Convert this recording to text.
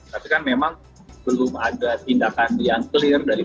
tapi kan memang belum ada tindakan yang clear